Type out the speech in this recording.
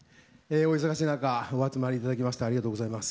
お忙しい中お集まりいただきましてありがとうございます。